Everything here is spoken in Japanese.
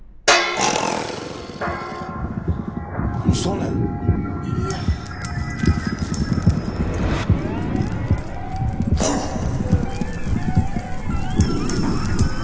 あっ！